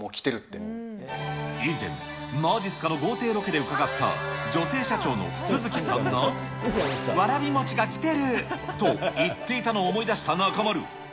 以前、まじっすかの豪邸ロケで伺った、女性社長の續さんが、わらびもちがきてる！と言っていたのを思い出した中丸。